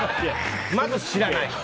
まず、知らない。